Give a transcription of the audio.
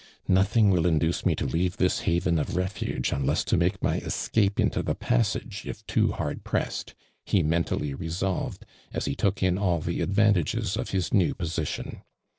"Nothmg will induce me to leave this liftven of refuge, unless to make my escaj)o into the passage, if too haixl pressetl,'" lie mentally resolve*!, as he took in all the ad vantages of his new jiosition.